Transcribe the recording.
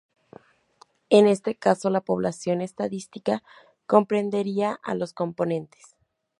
En este caso, la población estadística comprendería a los componentes.